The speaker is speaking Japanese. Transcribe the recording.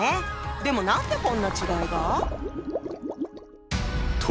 でも何でこんな違いが？